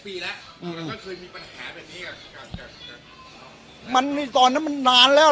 ปีแล้วอืมแล้วก็เคยมีปัญหาแบบนี้อ่ะมันมีตอนนั้นมันนานแล้ว